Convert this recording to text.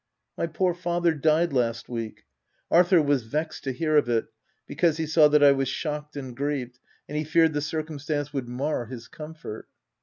My poor father died last week : Arthur was vexed to hear of it, because he saw that I was shocked and grieved, and he feared the circumstance would mar his comfort.